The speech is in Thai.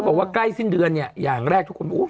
พี่โอ๊คบอกว่าเขินถ้าต้องเป็นเจ้าภาพเนี่ยไม่ไปร่วมงานคนอื่นอะได้